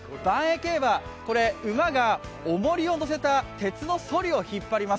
競馬、馬がおもりを乗せた鉄のそりを引っ張ります。